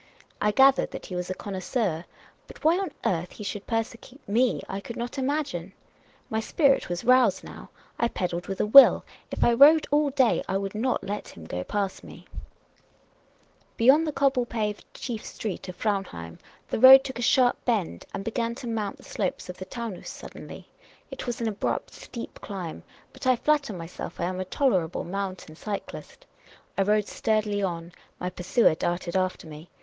I gathered that he was a connoisseur ; but why on earth he should persecute me I could not imagine. My spirit was roused now— I pedalled with a will; if I rode all day I would not let him go past me. «ei=?te HK KKPT CLOSK AT MY HEELS. Be5'^ond the cobble paved chief street of Fraunheim the road took a sharp bend, and began to mount the slopes of the Taunus suddenly. It was an abrupt, steep climb ; but I flatter myself I am a tolerable mountain cyclist. I rode sturdily on ; my pursuer darted after me.